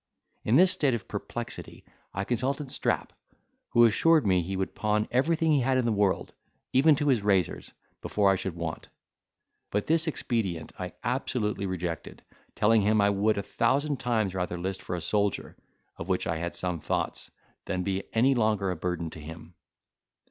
In this state of perplexity, I consulted Strap, who assured me he would pawn everything he had in the world, even to his razors, before I should want: but this expedient I absolutely rejected, telling him, I would a thousand times rather list for a soldier, of which I had some thoughts, than be any longer a burden to him.